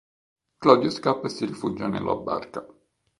Claudio scappa e si rifugia nella barca.